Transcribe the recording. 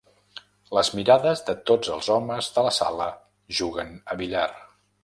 Les mirades de tots els homes de la sala juguen a billar.